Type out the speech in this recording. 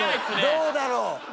どうだろう？